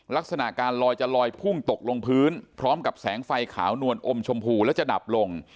ลักษณะการลอยจะลอยพุ่งตกลงพื้นพร้อมกับแสงไฟขาวนวลอมชมพูและจะดับลง